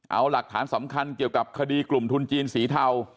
เอาหลักฐานสำคัญเกี่ยวกับคดีกลุ่มทุนจีนสีเทา